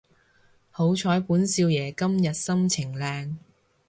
好彩本少爺今日心情靚